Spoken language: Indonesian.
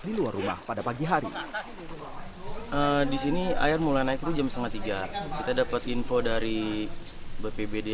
di luar rumah pada pagi hari disini air mulai naik itu jam setengah tiga kita dapat info dari bpbd